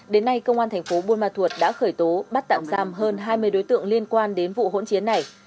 đến nay công an thành phố buôn ma thuột đã khởi tố bắt tạm giam hơn hai mươi đối tượng liên quan đến vụ hỗn chiến này